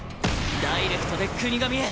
ダイレクトで國神へ！